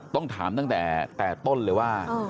ต้องถามตั้งแต่ต้นเลยว่า